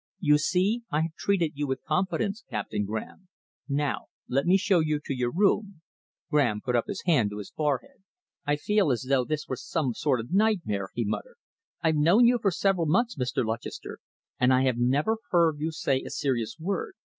You see, I have treated you with confidence, Captain Graham. Now let me show you to your room." Graham put his hand to his forehead. "I feel as though this were some sort of nightmare," he muttered. "I've known you for several months, Mr. Lutchester, and I have never heard you say a serious word.